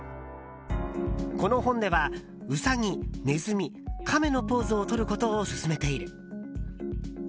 この本では、うさぎ、ねずみかめのポーズをとることを勧めている。